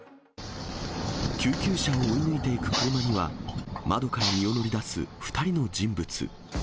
救急車を追い抜いていく車には、窓から身を乗り出す２人の人物。